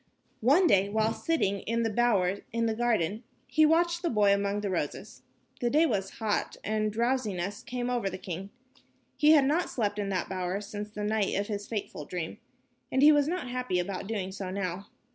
One day, while sitting in the bower in the garden, he watched the boy among the roses. The day was hot and a drowsiness came over the king. He had not slept in that bower since the night of his fateful dream, and he was not happy about doing so now.